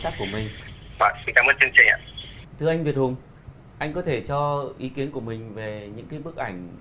trình xin cảm ơn chương trình thưa anh việt hùng anh có thể cho ý kiến của mình về những cái bức ảnh